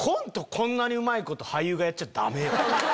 こんなにうまいこと俳優がやっちゃダメよ。